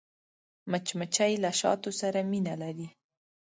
مچمچۍ له شاتو سره مینه لري